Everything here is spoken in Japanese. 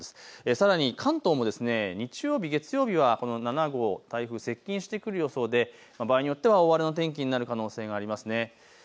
さらに関東も日曜日、月曜日は７号、台風接近してくる予想で場合によっては大荒れの天気になる可能性があります。